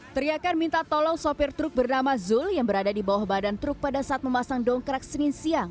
teriakan minta tolong sopir truk bernama zul yang berada di bawah badan truk pada saat memasang dongkrak senin siang